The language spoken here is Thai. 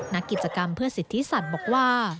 นักกิจกรรมเพื่อสิทธิสัตว์บอกว่า